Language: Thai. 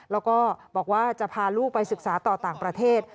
แล้วก็บอกว่าจะพาลูกไปศึกษาต่อต่างประเทศ